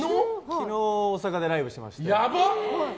昨日、大阪でライブしてましたね。